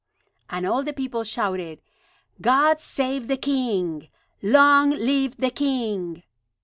And all the people shouted, "God save the king! Long live the king!"